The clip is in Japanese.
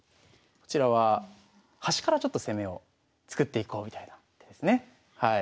こちらは端からちょっと攻めを作っていこうみたいな手ですね。